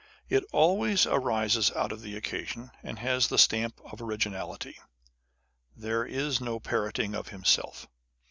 It always arises out of the occasion, and lias the stamp of originality. There is no parroting of himself.